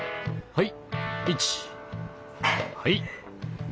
はい。